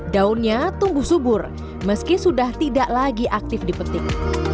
daunnya tumbuh subur meski sudah tidak lagi aktif dipetik